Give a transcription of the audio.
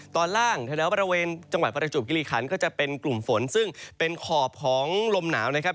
ตอนล่างแถวบริเวณจังหวัดประจวบกิริขันก็จะเป็นกลุ่มฝนซึ่งเป็นขอบของลมหนาวนะครับ